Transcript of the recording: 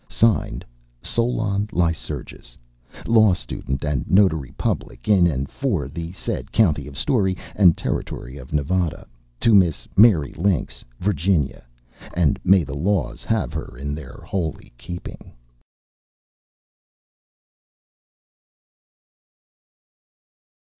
(Signed) SOLON LYCURGUS. Law Student, and Notary Public in and for the said County of Storey, and Territory of Nevada. To Miss Mary Links, Virginia (and may the laws have her in their holy keeping).